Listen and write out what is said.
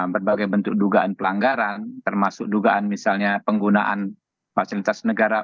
berbagai bentuk dugaan pelanggaran termasuk dugaan misalnya penggunaan fasilitas negara